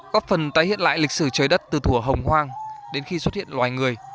có phần tái hiện lại lịch sử trời đất từ thùa hồng hoang đến khi xuất hiện loài người